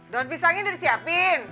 daun pisangnya udah disiapin